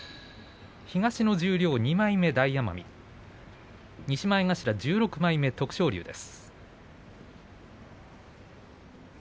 東の十両２枚目、大奄美西前頭１６枚目、徳勝龍です。